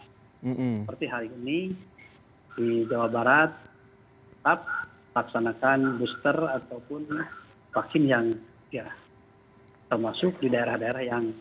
seperti hari ini di jawa barat tetap laksanakan booster ataupun vaksin yang ya termasuk di daerah daerah yang